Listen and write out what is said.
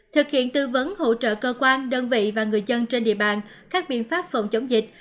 thực hiện tư vấn hỗ trợ cơ quan đơn vị và người dân trên địa bàn các biện pháp phòng chống dịch